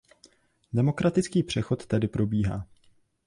Demokratický přechod tedy probíhá.